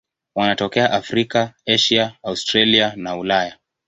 Wanatokea Afrika, Asia, Australia na Ulaya.